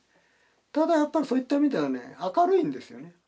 ただやっぱりそういった意味ではね明るいんですよね